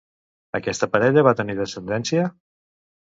Aquesta parella va tenir descendència?